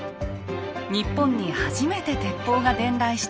日本に初めて鉄砲が伝来した島です。